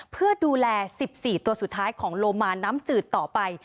เพื่อดูแล๑๔ตัวสุดท้ายของโลมาน้ำจืดต่อไป